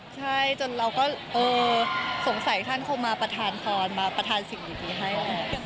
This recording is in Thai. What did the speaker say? ใช่จนเราก็สงสัยท่านคงมาประทานคลอนมาประทานสิ่งดีให้เรา